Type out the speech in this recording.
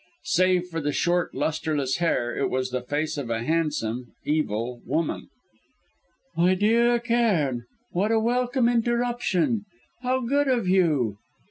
Save for the short, lustreless hair it was the face of a handsome, evil woman. "My dear Cairn what a welcome interruption. How good of you!"